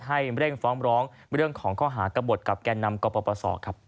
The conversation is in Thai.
ให้เร่งฟ้องร้องเรื่องของข้อหากระบดกับแก่นำกปศครับ